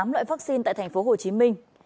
tám loại vaccine tại thành phố hồ chí minh